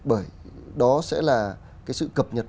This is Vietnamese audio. bởi đó sẽ là sự cập nhật